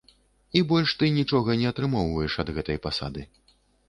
І больш ты нічога не атрымоўваеш ад гэтай пасады.